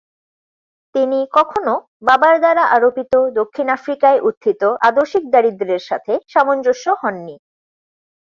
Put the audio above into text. তিনি কখনও বাবার দ্বারা আরোপিত দক্ষিণ আফ্রিকায় উত্থিত আদর্শিক দারিদ্র্যের সাথে সামঞ্জস্য হন নি।